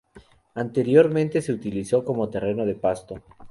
Anteriormente se utilizó como terreno de pasto.